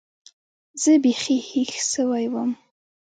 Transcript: زه بيخي هېښ سوى وم.